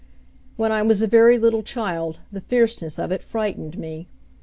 When I was a very little child the fierceness of it frightened me.